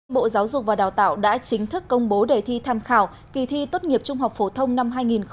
bộ giáo dục và đào tạo đã chính thức công bố đề thi tham khảo kỳ thi tốt nghiệp trung học phổ thông năm hai nghìn hai mươi